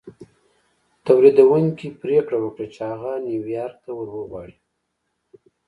توليدوونکي پرېکړه وکړه چې هغه نيويارک ته ور وغواړي.